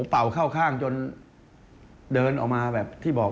เป่าเข้าข้างจนเดินออกมาแบบที่บอก